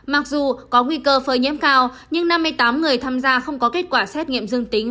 mặc dù có nguy cơ phơi nhiễm cao nhưng năm mươi tám người tham gia không có kết quả xét nghiệm dương tính